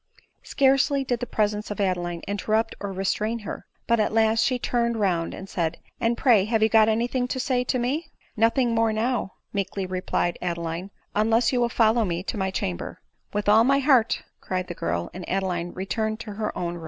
Scarcely did the presence of Adeline interrupt or re strain her ; but at last she turned round and said, " And, pray, have you got any thing to say to me ?"" Nothing more now," meekly replied Adeline, " un less you will follow me to my chamber." " With all my heart," cried the girl ; and Adeline returned to her own room.